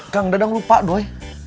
kang dadang lupa doi